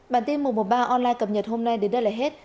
bản tin một trăm một mươi ba online cập nhật hôm nay đến đây là hết